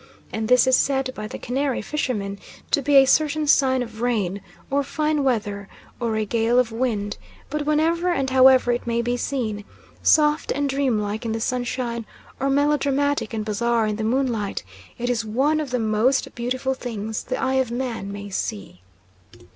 and this is said by the Canary fishermen to be a certain sign of rain, or fine weather, or a gale of wind; but whenever and however it may be seen, soft and dream like in the sunshine, or melodramatic and bizarre in the moonlight, it is one of the most beautiful things the eye of man may see.